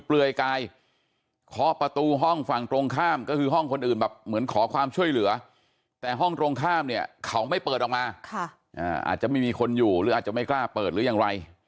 เลือดท่วมตัวเลยนะ